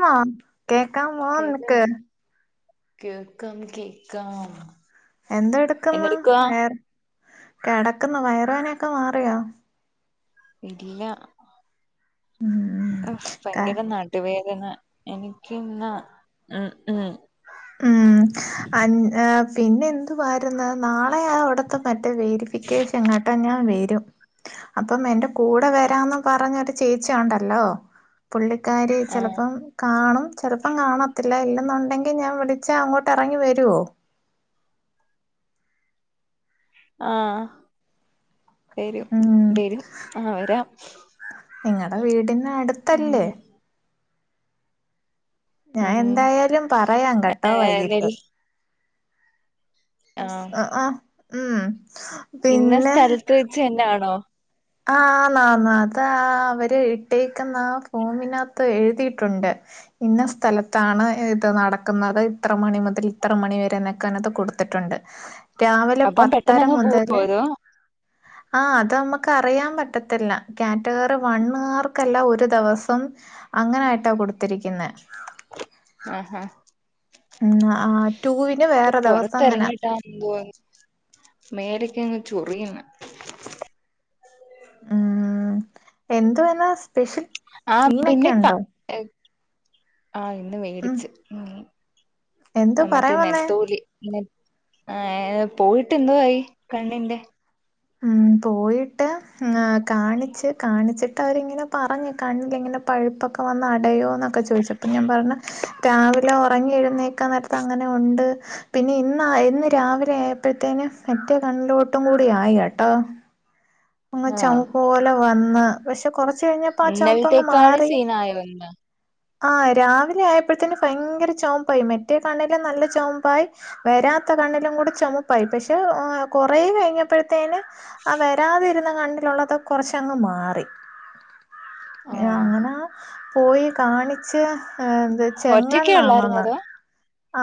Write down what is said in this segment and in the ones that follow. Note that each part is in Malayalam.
മ്മോ കേക്കാമ്മോ കേക്കാം നിനക്ക് കേക്കാം കേക്കാം എന്തൊട്ക്ക്ന്ന് എന്തെടുക്കുവാ വയർ കെടക്ക്ന്നു വയറ് വേനൊക്കെ മാറിയോ ഇല്ല ഉം അഹ് ക- ഭയങ്കര ന ടു വേദന എനിക്ക്ന്ന് ഉം ഉം ഉം അന് ഏ പിന്നെ എന്തുവാര്ന്ന് നാളെയാ അവ്ട്ത്തെ മറ്റേ വെര് ഫിക്കേഷൻ കേട്ടോ ഞാൻ വരും അപ്പം എന്റെ കൂടെ വരാന്ന് പറഞ്ഞോര് ചേച്ചിയുണ്ടല്ലോ പുള്ളിക്കാരി ആഹ് ചെലപ്പം കാണും ചെലപ്പം കാണത്തില്ല ഇല്ലെന്നുണ്ടെങ്കി ഞാൻ വിളിച്ചാ അങ്ങോട്ട് എറങ്ങി വെരോ ആഹ് വെരും വെരും ആഹ് വരാം നിങ്ങടെ ഉം വീടിനട്ത്തല്ലേ ഞാൻ ഉം എന്തായാലും പറയാം കേട്ടോ ഏഹ് വൈകീട്ട് നെല് ആഹ് ആഹ് ഉം ഇന്ന പിന്നെ സ്ഥലത്ത് വെച്ച്ന്നാണോ ആഹ് ആന്ന് ആന്ന് അത് അവര് ഇട്ടേക്കുന്നാ ആ ഫോമിനകത്ത് എഴ്തിയിട്ടുണ്ട് ഇന്ന സ്ഥലത്താണ് ഇത് നടക്ക്ന്നത് ഇത്ര മണി മുതൽ ഇത്ര മണി വരെ എന്നൊക്കെ അയിനകത്ത് കൊട്ത്തിട്ട്ണ്ട് രാവിലെ അപ്പം പത്തര പെട്ടെന്നങ്ങ് പോവോ മുതല് അതോ ആഹ് അതമ്മ ക്ക് അറിയാൻ പറ്റത്തില്ല കാറ്റഗറി വണ്ണ്ക്കാർക്കെല്ലാം ഒരു ദെവസം അങ്ങനായിട്ടാ കൊടുത്തിരിക്ക്ന്നേ ഉം ഉം ഉം ആഹ് ടൂവിന് ഇക്ക് വേറെ ദിവസം അങ്ങനെ പുൊറത്തിറങ്ങിട്ടാ എന്തോ മേലൊക്കെങ്ങ് ചൊറിയ്ന്ന് ഉം എന്തുവെ ഇന്ന് ആഹ് പിന്നെ ക ആഹ് ഇന്ന് ഉം വേടിച്ച് എന്തോ മറ്റേ പറയാൻ വന്നേ? നെത്തോലി നെ ആഹ് പോയിട്ട് എന്തോ ആയി കണ്ണിന്റെ ഉം പോയിട്ട് കാണിച്ച് കാണിച്ചിട്ട് അവരിങ്ങനെ പറഞ്ഞു കണ്ണില് ഇങ്ങനെ പഴുപ്പൊക്കെ വന്നടയോന്നൊക്കെ ചോയിച്ച് അപ്പം ഞാൻ പറഞ്ഞ് രാവിലെ ഒറങ്ങി എഴുന്നേക്കാൻ നേരത്ത് അങ്ങനെ ഉണ്ട് പിന്നെ ഇന്ന് ഇന്ന് രാവിലെ ആയപ്പത്തേനു മറ്റേ കണ്ണിലോട്ടും കൂടി ആയി കേട്ടോ അങ് ആഹ് ചൊമപ്പ് പോലെ വന്ന് പക്ഷെ കൊറച്ച് കഴിഞ്ഞപ്പോ ആ ചുമപ്പങ് ഇന്നലത്തേക്കാള് മാറി സീനായോ ഇന്ന് ആഹ് രാവിലെ ആയപ്പോഴത്തിന് ഭയങ്കര ചൊമപ്പായി മറ്റേ കണ്ണെല്ലാം നല്ല ചോമപ്പായി വരാത്ത കണ്ണിലും കൂടെ ചുമപ്പായി പക്ഷെ കൊറേ കഴിഞ്ഞപ്പോഴത്തേനും ആ വരാതെ നിക്ക്ന്ന കണ്ണിലുള്ളത് കൊറച്ചങ്ങ് മാറി ഏ അങ്ങനെ പോയി കാണിച്ച് ഇത് ഒറ്റക്കെ ഒള്ളായിരുന്നോ ചെങ്ങണ്ണാണന്ന് അതോ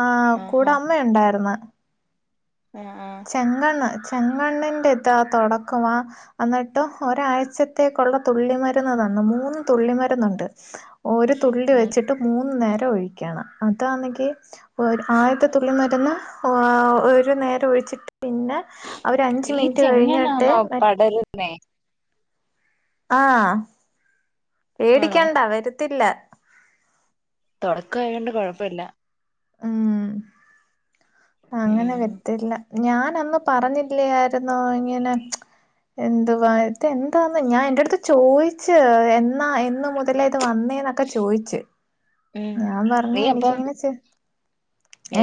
ആഹ് കൂടെ ആഹാ അമ് മ്മ ഉണ്ടായിർന്ന് ഉം ആഹ് ചെങ്ങണ്ണ് ചെങ്ങണ്ണിന്റെ ഇതാ തൊടക്കവാ എന്നിട്ട് ഒരാഴ്ചത്തേക്കുള്ള തുള്ളിമരുന്ന് തന്ന് മൂന്ന് തുള്ളിമരുന്നുണ്ട് ഒരു തുള്ളി ഉം വെച്ചിട്ട് മൂന്ന് നേരം ഒഴിക്കണം അതാന്നെങ്കി ഒര് ആദ്യാത്തെ തുള്ളി മര്ന്ന് ഒരു നേരം ഒഴിച്ചിട്ട് പിന്നെ അതൊര് അഞ്ച് മിനിറ്റ് കഴിഞ്ഞിട്ട് മ ന്നെ ആഹ് ആണോ പേടിക്കണ്ട വരത്തില്ല തൊടക്കായൊണ്ട് കൊഴപ്പല്ല ഉം ഉം അങ്ങനെ വരത്തില്ല ഞാനന്ന് പറഞ്ഞില്ലേയിരുന്നോ ഇങ്ങനെ എന്തുവാ ഇത് എന്താന്ന് ഞാൻ എന്റെട്ത്ത് ചോയിച്ച് എന്നാ എന്ന് മുതലാ ഇത് വന്നേന്നൊ ഒക്കെ ചോയിച്ച് ഉം ഞാൻ പറഞ്ഞ നീ അപ്പം എനിക്കിങ്ങനെ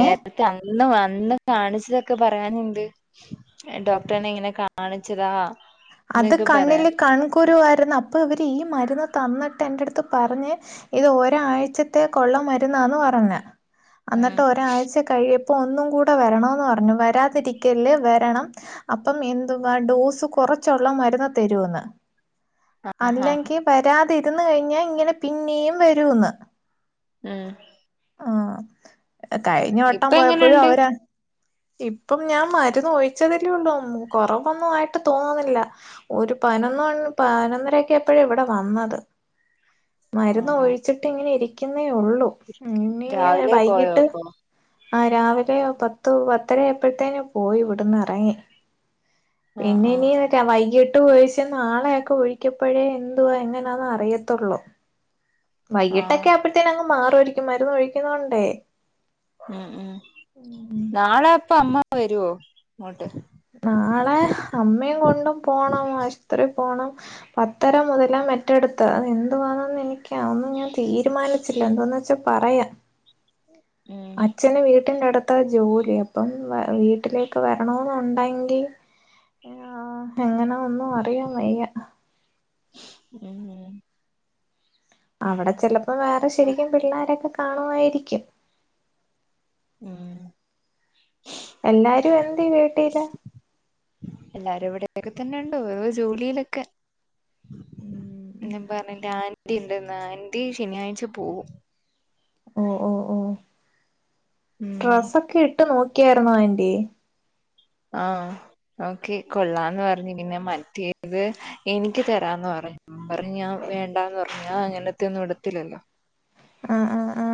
ഏഹ് അന്ന് അന്ന് കാണിച്ചതൊക്കെ പറയാനുണ്ട് ഡോക്ടറെനെ ഇങ്ങനെ കാണിച്ചതാ അത് എന്നൊക്കെ പറയാൻ കണ്ണില് കൺകുരുവായിരുന്നു അപ്പൊ ഇവര് ഈ മരുന്ന് തന്നിട്ട് എൻന്റെ അടുത്ത് പറഞ്ഞ് ഇത് ഒരാഴ്ചത്തെക്കള്ള മരുന്നന്ന് പറഞ്ഞ അ ഉം എന്നിട്ട് ഒരാഴ്ച കഴിയപ്പോൾ ഒന്നും കൂടെ വരണമെന്ന് പറഞ്ഞു വരാതിരിക്കല് വരണം അപ്പം എന്തുവാ ഡോസ് കുറച്ചള്ള മരുന്ന്തരൂന്ന് ആഹാ അല്ലെങ്കിൽ വരാതിന്ന് കഴിഞ്ഞാൽ ഇങ്ങനെ പിന്നെയും വരൂന്ന് ഉം ആഹ് കഴിഞ്ഞ വട്ടം ഇപ്പ പോയപ്പോഴും എങ്ങനെണ്ട് അവരാ ഇപ്പം ഞാൻ മരുന്ന് ഒഴിച്ചതില്ലേള്ളൂ കൊറവൊന്നും ആയിട്ട് തോന്നുന്നില്ല ഒരു പതിനൊന്ന് പതിനൊന്നരക്കെആയപ്പോഴ ഇവിടെ വന്നത് മരുന്ന് ആഹ് ഒഴിച്ചിട്ട് ഇങ്ങനെ ഇരിക്കുന്നേ ഉള്ളൂ രാവിലെ പോയോ അപ്പൊ ആ രാവിലെയോ പത്തു പത്തര എപ്പോഴത്തേനു പോയിവിടുന്ന് ഇറങ്ങി ആഹ് പിന്നെ ആഹ് ഇനി വൈകിട്ട് ഒഴിച്ച നാളെയൊക്കെ ഒഴിക്കപ്പോഴേ എന്തുവാ എങ്ങനാന്നന്ന് അറിയത്തുള്ളൂ വൈകിട്ടൊക്കെ ആഹ് ആവുമ്പോഴത്തേന അങ്ങ് മാറുംഅയിരിക്കും മരുന്ന് ഒഴിക്കുന്നൊണ്ടേ ഉം നാളെ അപ്പ അമ്മ വരുവോ അങ്ങോട്ട് നാളെ അമ്മയും കൊണ്ടും പോണം ആശുപത്രി പോണം. പത്തര മുതല മെറ്റെടുത്ത് എന്തു വണന്ന് എനക്ക് ഒന്ന് ഞാൻ തീരുമാനിച്ചില്ല എന്തോന്ന് വെച്ചാ പറയാ ഉം അച്ഛന് വീട്ടിന്റെ അടുത്ത് ഇ ജോലി അപ്പം വീട്ടിലേക്ക് വരണമെന്നണ്ട് ങ്കിൽ എങ്ങനെ ഒന്നും അറിയ വയ്യ ഉം അവിടെ ചിലപ്പോം വേറെ ശരിക്കും പിള്ളോരൊക്കെ കാണുമായിരിക്കും ഉം എല്ലാരും എന്ത് വീട്ടില് എല്ലാരും ഇവിടോക്കെ തന്നെ ഉണ്ടോ ഓരോ ജോലിയിലൊക്കെ ഞാൻ പറഞ്ഞ ആന്റി ഉണ്ടെന്ന ആന്റി ശനിയാഴ്ച പോവും. ഉം ഡ്രസ്സ ഒക്കെ ഇട്ട് നോക്കിയായിരുന്നോ ആൻ്റി ആഹ ഓക്കെ കൊള്ളാന്ന് പറഞ്ഞഞ് പിന്നെ മറ്റേത് എനിക്ക് തരാന്ന് പറ പറ ഞാൻ വേണ്ടന്ന് പറഞ്ഞ അങ്ങനത്തെ ഒന്നും വിടുത്തില്ലല്ലോ ആ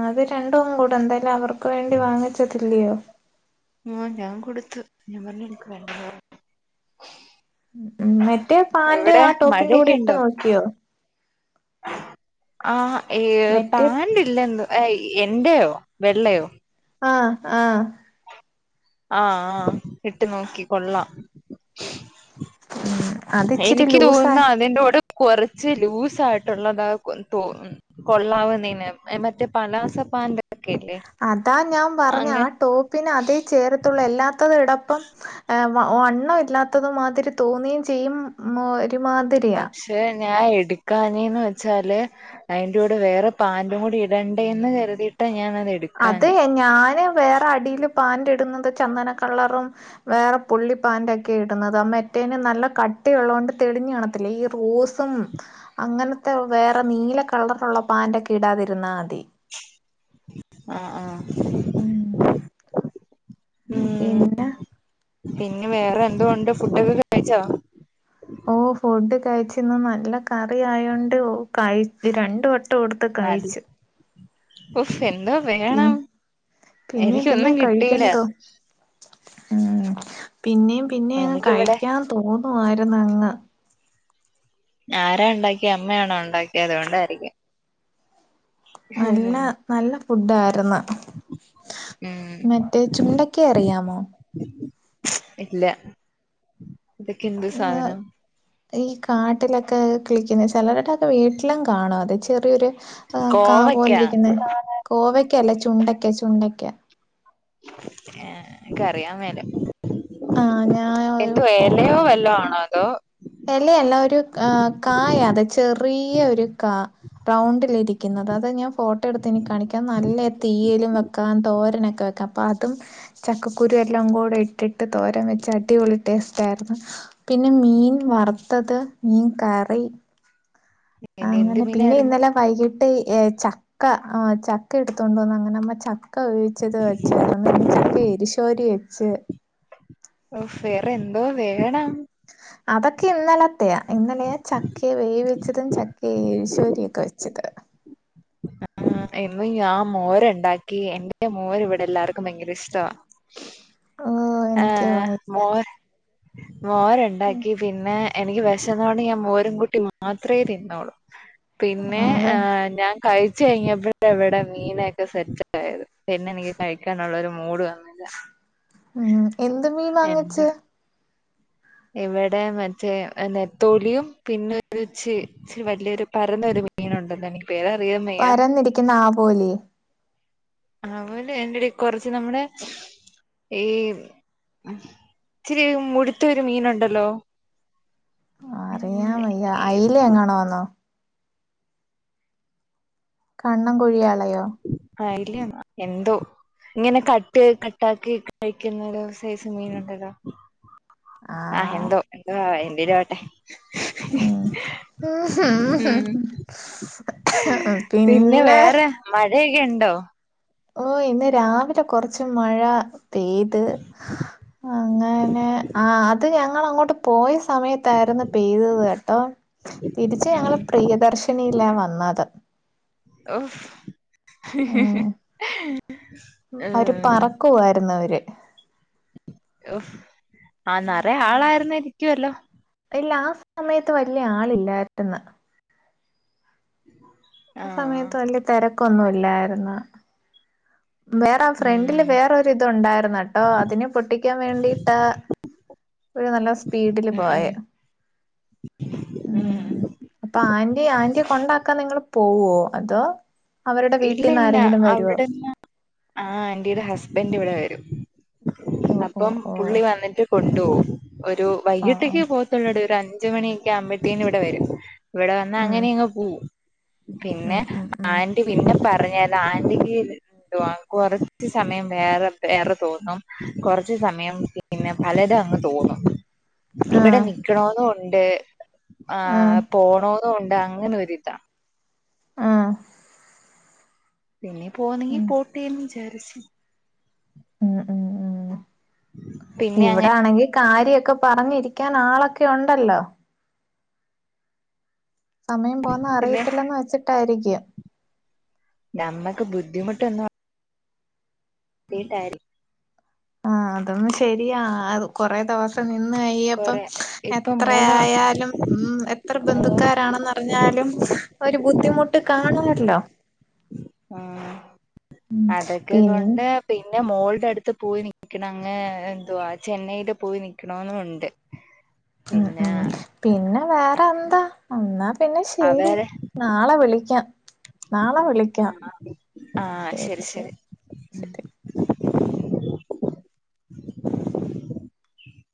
അത് രണ്ടും കൂടെ എന്തായാലും അവർക്ക് വേണ്ടി വാങ്ങിച്ചതില്ലയോ ആഹ് ഞാ കൊട്ത്ത് ഞാ പറഞ്ഞ് ഇന്ക്ക് വേണ്ടാ പറ മറ്റേ പാന്റ് ആ ടോപ്പിന്റൂടെ മഴയൊക്കെ ഇട്ട് ഉണ്ടോ നോക്ക്യോ? ആഹ് മറ്റേ പാൻ്റില്ലെന്ന് എന്റെയോ വെള്ളയോ? ആഹ് ആഹ്. ആഹ് ആഹ് ഇട്ട് നോക്കി കൊള്ളാം. ഉ എനിക്ക് തോന്നുന്നു അതിന്റോട് കൊറച്ച് ലൂസ് ആയിട്ടുള്ളതാ അയ് ക്കും തോന്ന് കൊള്ളാവുന്നേനേ മറ്റേ പലാസ പാൻ്റൊക്കെയ്ല്ലേ അതാ ഞാൻ പറഞ്ഞേ ആ ടോപ്പിനതേ ചേരത്തൊള്ള് എല്ലാത്തതെടപ്പം വണ്ണം ഇല്ലാത്തതു മാതിരി തോന്നേയ് ചെയ്യും ഒരുമാതിരി പക്ഷെ ഞാ എടുക്കാഞ്ഞേന്ന് വെച്ചാല് അയ്ന്റെ കൂടെ വേറെ പാന്റും കൂടി ഇടണ്ടേന്ന് കര്തിയിട്ടാ ഞാനത് എട് അത് ഞാന് വേറെ അടീല് പാന്റ്ട്ന്നത് ചന്ദന കളറും വേറെ പുള്ളി പാൻ്റൊക്കെ ഇടുന്നത് ആ മെറ്റേനെ നല്ല കട്ടിയൊള്ളോണ്ട് തെളിഞ്ഞ് കാണത്തില്ലേ ഈ റോസ് അങ്ങനത്തെ വേറെ നീല കളറൊക്കെള്ള പാൻ്റൊക്കെ ഇടാതിര്ന്നാ മതി. ആഹ് ആഹ് ഉം ഉം പിന്ന പിന്നെ വേറെ എന്തോണ്ട് ഫുഡൊക്കെ കഴിച്ചോ? ഓഹ് ഫുഡ് കഴിച്ചിന്ന് നല്ല കറിയായോണ്ട് കഴി രണ്ട് വട്ടം ട്ട് കൊട്ത്ത് നല്ല കഴിച്ച് ഉഫ് എന്തോ പിൻ വേണം പിന്നേം എനിക്കൊന്നും പിന്നേം കഴിക്കാൻ കിട്ടീലാ തോ ഉം പിന്നേം പിന്നേയങ്ങ് എനിക്കിവിടെ കഴിക്കാൻ തോന്നുവായിര്ന്നങ്ങ് ആരാണ്ടാക്ക്യേ അമ്മയാണോ ഒണ്ടാക്ക്യേ അതുകൊണ്ടായ്രിക്കും നല്ല നല്ല ഫുഡ്ഡായിര്ന്ന് ഉം മറ്റേ ചുണ്ടെയ്ക്ക അറിയാമോ? ഇല്ല ഇതൊക്കെ എന്ത് ഏഹ് സാധ്നം? ഈ കാട്ടിലൊക്കെ കിളിക്ക്ന്ന ചെലര്ടൊക്കെ വീട്ട്ലും കാണും അത് ചെറ്യൊര് ആഹ് കാ കോവയ്ക്ക പോലിരിക്ക്ന്നെ കോവെക്കെയെല്ല ചുണ്ടയ്ക്ക ചുണ്ടയ്ക്ക ഏഹ് ഇൻക്കറിയാൻ മേല ആഹ് ഞാൻ ഒരു എന്തോ ഫോട്ടോ എലയോ വല്ലോ ആണോ അതോ എലയല്ല ഒരു ഏഹ് കായത് ചെറിയൊരു കാ റൗണ്ടിലിര്ക്ക്ന്നത് അത് ഞാൻ ഫോട്ടോ എടുത്ത് ഇനി കാണിക്കാ നല്ല തീയിലും വെക്കാം തോരനൊക്കെ വെക്ക അപ്പ അതും ചക്കക്കുരു എല്ലാം കൂടെ ഇട്ടിട്ട് തോരൻ വെച്ചാ അടിപൊളി ടേസ്റ്റായിര്ന്ന് പിന്നെ മീൻ വറ്ത്തത് മീൻ കറി പിന്നെ എന്ത് അങ്ങനെ പിന്നെ മീനായിരുന്നു ഇന്നലെ വൈകീട്ട് ഏ ചക്ക ആഹ് ചക്ക എടുത്തോണ്ട് വന്ന് അങ്ങെനമ്മ ച ക്കെ ഉയിച്ചത് വെച്ചാര്ന്ന് പിന്നെ ചക്ക എരിശോരി വെച്ച് ഉഫ് വേറെന്തോ വേണം അതൊക്കെ ഇന്നലെത്തെയാ ഇന്നലെയാ ചക്കേ വേവിച്ചെതും ചക്കേ എഴുശോരി ഒക്കെ വെ ച്ചത് ഇന്നും ഞാ മോര്ണ്ടാക്കി എന്റെ മോരിവ്ടെ എല്ലാർക്കും ഭയങ്കെര ഇഷ്ടവാ ഓ എനിക്ക് ആഹ് വയ്യ മോര് മോരൊണ്ടാക്കി പിന്നെ എനിക്ക് വെശന്നോണ്ട് ഞാൻ മോരും കൂട്ടി മാത്രേ തിന്നോള്ളൂ പിന്നെ അത് ഏഹ് ഞാൻ കഴിച്ച് കഴിഞ്ഞപ്പഴാ ഇവടെ മീനൊക്കെ സെറ്റായത് പിന്നെ എനിക്ക് കഴിക്കാനൊള്ളൊരു മൂഡ് വന്നില്ലാ ഉം എന്ത് മീൻ വാങ്ങിച്ച്? ഇവെടെ മറ്റേ നെത്തോലിയും പിന്നൊരു ച്ച് ച്ചിരി വല്ല്യൊരു പരന്നൊരു മീ മീനുണ്ടല്ലോ എനിക്ക് പേരറിയാം വെയ്യാ ക്ക്ന്നാവോലി ആവാേലി അയ്ന്റെടെ കൊറച്ച് നമ്മുടെ ഈ ഇച്ചിരി മുടുത്ത ഒരു മീനുണ്ടല്ലോ അറിയാം വയ്യ അയ്ലെ എങ്ങാണും ആന്നോ? കണ്ണും കുഴിയാളയോ? അയ്ലയെന്നാ എന്തോ ഇങ്ങനെ കട്ട് കട്ടാക്കി കഴിക്കുന്നെരു സെയ്സ് മീനുണ്ടല്ലോ ആ ആഹ് എന്തോ എന്തോ ആഹ് എന്തേലു ആവട്ടേ ഉം ഉം പിന്നെ വേറെ മഴയെക്കെ ഇണ്ടോ? ഓഹ് ഇന്ന് രാവിലെ കൊറ്ച്ച് മഴ പെയ്ത് അങ്ങനെ ആഹ് അത് ഞങ്ങളങ്ങോട്ട് പോയ സമയത്ത് ന്നായിര്ന്ന് പെയ്തെത് കേട്ടോ തിരിച്ച് ഉം ഞങ്ങള് പ്രിയദർശിനിലാ വന്നത് ഉം ഓഹ് പോവായിരുന്നവര് ഓഫ് ആഹ് നറയെ ആളായിര്ന്നായിരിക്കുവല്ലോ ഇല്ല ആ സമയത്ത് വല്യ ആളില്ലായിട്ട്ന്ന് ഉ ആ സമയത്ത് വല്യ തെരക്കൊന്നുല്ലായിര്ന്ന് വേറെ ആ ഫ്രണ്ടില് ഉം വേറൊരിതു ണ്ടായിരുന്നട്ടോ അതിനെ പൊട്ടിക്കാൻ വേണ്ടിട്ടാ പുള്ളി നല്ല സ്പീഡില് ഉം ഉം പോയെ ഉം അപ്പൊ ആന്റി ആന്റിയെ കൊണ്ടാക്കാൻ നിങ്ങള് പോവ്വോ അതോ? അവരുടെ വീട്ടിന്നാരെങ്കിലും വരോ? ആ ആന്റീടെ ഹസ്ബൻഡ് ഇവിടെ വരും. ഓ ഓ അപ്പം ഓ പുള്ളി വന്നിട്ട് കൊണ്ടുപോവും. ഒരു ആ ആ വൈകീട്ടേക്ക് പോവത്തോള്ളൂഡീ. ഒരു അഞ്ച് മണിയൊക്കെ ആവുമ്പത്തേനിവിടെ വരും ഇവിടെ വന്നാ ഉം അങ്ങനെയങ്ങ് പോവും. പിന്നെ ഉം ഉം ഉം ആൻ പിന്നെ പറഞ്ഞാലാന്റിക്ക് എന്തുവാ കൊറച്ച് സമയം വേറെ വേറെ തോന്നും, കൊറച്ച് സമയം - പിന്നെ പലതും അങ്ങ് തോന്നും. ഇവിടെ ആഹ് നിക്കണോന്നു ഉണ്ടേ ആഹ് ആഹ്‌ പോണോനു ഉണ്ട് അങ്ങനെ ഒരിതാ ആഹ്‌ പിന്നെ പോന്നെങ്കി ഉം പോട്ടേന്ന് വിചാരിച്ച്. ഉം ഉം ഉം പിന്നെ അങ്ങനെ ഇവിടാണെങ്കി കാര്യൊക്കെ പറഞ്ഞിരിക്കാൻ ആളൊക്കെ ഉണ്ടല്ലോ? സമയം പോകുന്ന പിന്നെ അറിയത്തില്ലന്ന് വെച്ചിട്ടായിരിക്കും. നമ്മക്ക് ബുദ്ധിമുട്ടൊന്നും [unintelligible] ആഹ്‌ അതൊന്ന് ശരിയാ കൊറെ ദെവസം നിന്ന് കയ്യപ്പം കൊറെ ഇപ്പം മൂന്ന് എത്രയായാലും ഉം എത്ര ബന്ധുക്കാരാണന്ന പറഞ്ഞാലും ഒരു ബുദ്ധിമുട്ട് കാണുവല്ലോ? ആഹ് ഉം അതൊക്കെ പിന്നെ കൊണ്ട് പിന്നെ മോൾടെ അടുത്ത് പോയി നിക്കണങ്ങ് എന്തുവാ ചെന്നൈയില് പോയി നിക്കണവെന്നുണ്ട് ഉം ഉം പിന്നെ വേറെ എന്താ എന്നാ പിന്നെ ശരി അവര് നാളെ വിളിക്കാം, നാളെ വിളിക്കാം ശരി ശരി ശരി [inaudible]